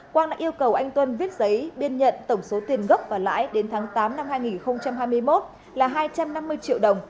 quang đã yêu cầu anh tuấn viết giấy biên nhận tổng số tiền gốc và lãi đến tháng tám năm hai nghìn hai mươi một là hai trăm năm mươi triệu đồng